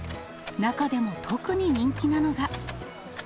中でも特に人気なのが。